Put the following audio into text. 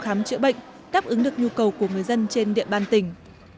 khám chữa bệnh đáp ứng được nhu cầu của người dân trên địa bàn tỉnh